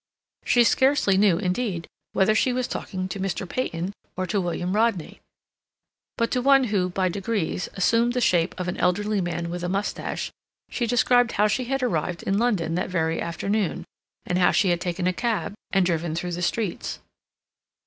She scarcely knew, indeed, whether she was talking to Mr. Peyton or to William Rodney. But to one who, by degrees, assumed the shape of an elderly man with a mustache, she described how she had arrived in London that very afternoon, and how she had taken a cab and driven through the streets.